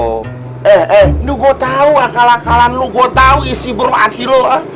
eh eh ini gue tau akal akalan lo gue tau isi buruk hati lo